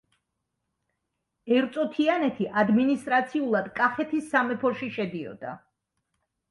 ერწო-თიანეთი ადმინისტრაციულად კახეთის სამეფოში შედიოდა.